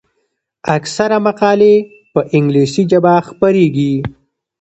اکثره مقالې په انګلیسي ژبه خپریږي.